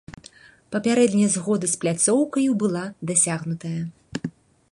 Папярэдняя згода з пляцоўкаю была дасягнутая.